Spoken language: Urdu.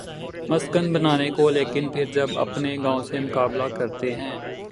مسکن بنانے کو لیکن پھر جب اپنے گاؤں سے مقابلہ کرتے ہیں۔